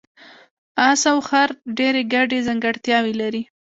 اس او خر ډېرې ګډې ځانګړتیاوې لري.